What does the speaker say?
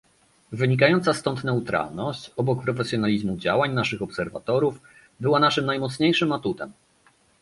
Wynikająca stąd neutralność, obok profesjonalizmu działań naszych obserwatorów, była naszym najmocniejszym atutem